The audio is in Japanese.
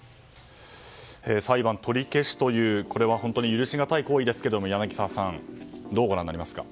裁判取り消しというこれは本当に許しがたい行為ですけども柳澤さん、どうご覧になりますか。